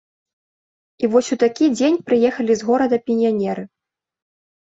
І вось у такі дзень прыехалі з горада піянеры.